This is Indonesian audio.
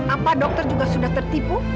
apa dokter juga sudah tertipu